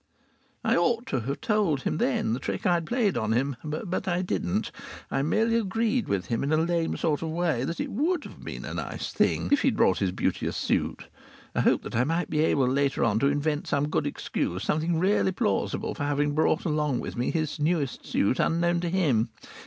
I ought to have told him then the trick I'd played on him, but I didn't. I merely agreed with him in a lame sort of way that it would have been a nice thing if he'd brought his beauteous suit. I hoped that I might be able later on to invent some good excuse, something really plausible, for having brought along with me his newest suit unknown to him.